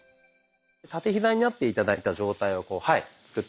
立てヒザになって頂いた状態を作ってみて下さい。